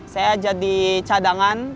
saya jadi cadangan